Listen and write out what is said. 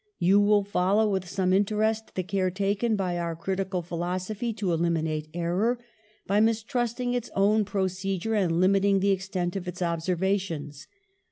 You will follow with some interest the care taken by our critical philosophy to eliminate error, by mistrusting its own procedure and limiting the extent of its observations.